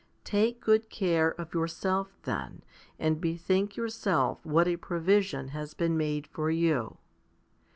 Take good care of yourself, then, and bethink yourself what a provision has been made for you.